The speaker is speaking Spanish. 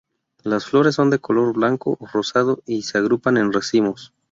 Las flores son de color blanco o rosado y se agrupan en racimos.